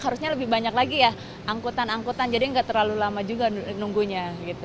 harusnya lebih banyak lagi ya angkutan angkutan jadi nggak terlalu lama juga nunggunya